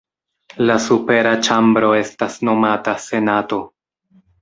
La supera ĉambro estas nomata Senato.